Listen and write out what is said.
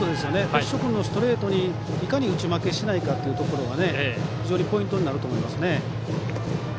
別所君のストレートにいかにうち負けしないかというところが非常にポイントになると思いますね。